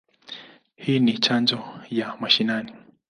Hii ni chanjo ya maishani.